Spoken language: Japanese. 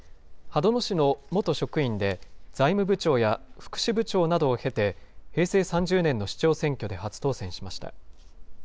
秦野市の元職員で、財務部長や福祉部長などを経て、平成３０年の市長選挙で初当選しました。